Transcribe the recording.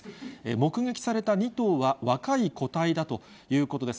目撃された２頭は、若い個体だということです。